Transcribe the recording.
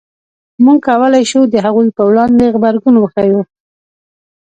موږ کولای شو د هغوی په وړاندې غبرګون وښیو.